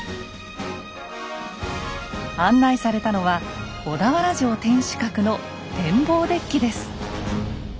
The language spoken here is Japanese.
案内されたのは小田原城天守閣の展望デッキです。